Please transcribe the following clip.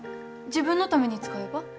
自分のために使えば？